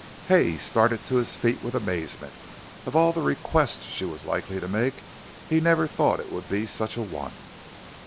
Hay started to his feet with amazement. Of all the requests she was likely to make he never thought it would be such a one.